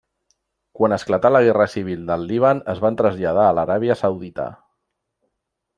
Quan esclatà la guerra civil del Líban es van traslladar a l'Aràbia Saudita.